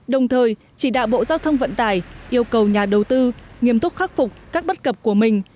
đồng thời chỉ đạo bộ giao thông vận tải yêu cầu nhà đầu tư nghiêm túc khắc phục các bất cập của mình